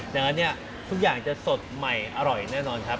ดังนั้นเนี่ยทุกอย่างจะสดใหม่อร่อยแน่นอนครับ